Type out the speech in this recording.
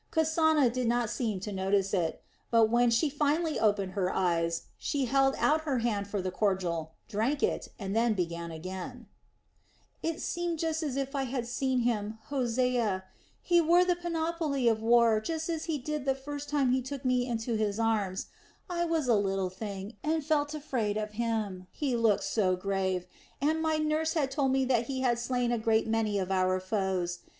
Kasana did not seem to notice it; but when she finally opened her eyes, she held out her hand for the cordial, drank it, and then began again: "It seemed just as if I had seen him, Hosea. He wore the panoply of war just as he did the first time he took me into his arms. I was a little thing and felt afraid of him, he looked so grave, and my nurse had told me that he had slain a great many of our foes.